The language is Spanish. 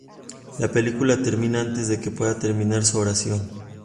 La película termina antes de que pueda terminar su oración.